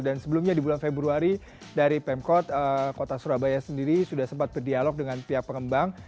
dan sebelumnya di bulan februari dari pemkot kota surabaya sendiri sudah sempat berdialog dengan pihak pengembang